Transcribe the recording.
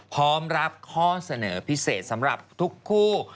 พร้อมรับข้อเสนอพิเศษสำหรับทุกคู่